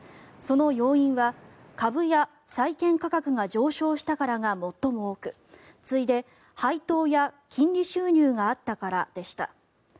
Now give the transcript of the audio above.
その要因は株や債券価格が上昇したからが最も多く次いで配当や金利収入があったからでした。